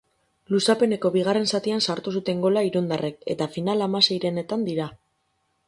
Luzapeneko bigarren zatian sartu zuten gola irundarrek eta final-hamaseirenetan dira.